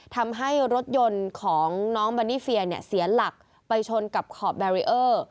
ทำให้รถยนต์ของน้องบันนี่เฟียเนี่ยเสียหลักไปชนกับขอบแบรีเออร์